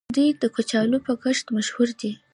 دوی د کچالو په کښت مشهور دي.